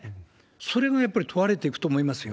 それがやっぱり問われていくと思いますよ。